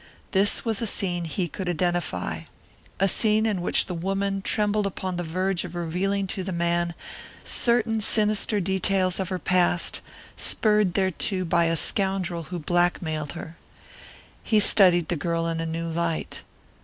This was a scene he could identify a scene in which the woman trembled upon the verge of revealing to the man certain sinister details of her past, spurred thereto by a scoundrel who blackmailed her. He studied the girl in a new light.